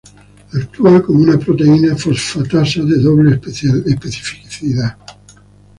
Actúa como una proteína fosfatasa de doble especificidad.